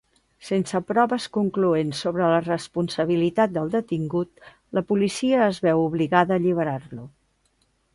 Sense proves concloents sobre la responsabilitat del detingut, la policia es veu obligada a alliberar-lo.